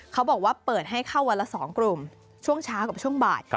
เขาบอกว่าเปิดให้เข้าวันละ๒กลุ่มช่วงเช้ากับช่วงบ่าย